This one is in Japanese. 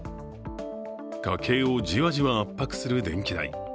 家計をじわじわ圧迫する電気代。